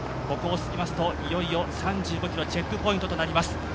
ここを過ぎますといよいよ３５ｋｍチェックポイントとなります。